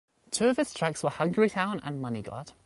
Two of its tracks were "Hungry Town" and "Money God".